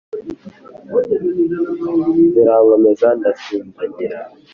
zirankomeza ndasindagira.